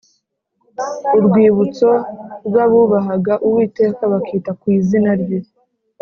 urwibutso rw’abubahaga Uwiteka bakita ku izina rye.